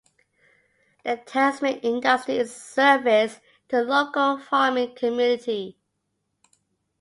The town's main industry is service to the local farming community.